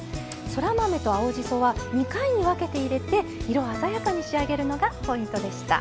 そら豆と青じそは２回に分けて入れて色鮮やかに仕上げるのがポイントでした。